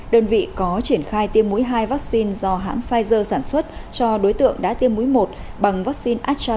đơn vị có triển khai tiêm mũi hai vaccine do hãng pfizer sản xuất cho đối tượng đã tiêm mũi một bằng vaccine astrazeneca thực hiện báo cáo riêng